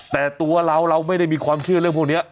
แต่ตัวเราเราไม่ได้มีความเชื่อเรื่องพวกนี้